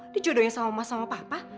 dia jodohin sama mas sama papa